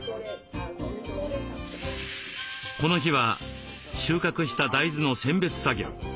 この日は収穫した大豆の選別作業。